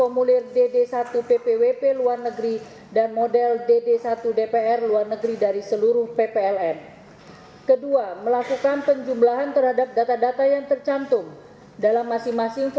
satu melakukan penjumlahan terhadap data data yang tercantum dalam masing masing